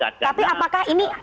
tapi apakah ini